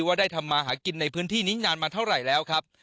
ว่าได้ทำมาหากินในพื้นที่นี้นานมาเท่าไหร่แล้วครับ